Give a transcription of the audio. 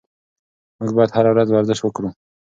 موږ باید هره ورځ ورزش وکړو.